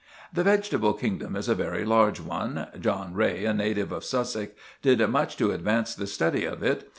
"'The vegetable kingdom is a very large one. John Ray, a native of Sussex, did much to advance the study of it.